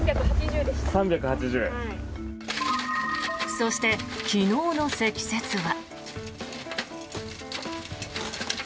そして、昨日の積雪は。